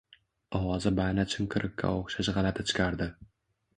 Ovozi ba`na chinqiriqqa o`xshash g`alati chiqardi